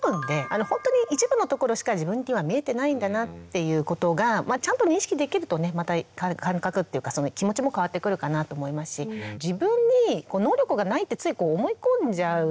本当に一部のところしか自分には見えてないんだなっていうことがちゃんと認識できるとねまた感覚っていうか気持ちも変わってくるかなと思いますし自分に能力がないってつい思い込んじゃうんですね。